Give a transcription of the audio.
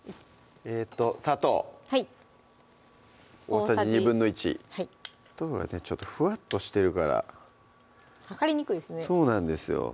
えーっと砂糖大さじ１／２砂糖はねちょっとふわっとしてるから量りにくいですねそうなんですよ